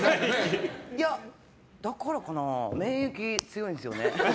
いや、だからかな免疫、強いんですよね。